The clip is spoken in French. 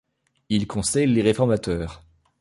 Il conseille les réformateurs.